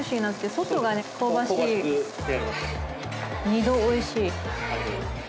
二度おいしい。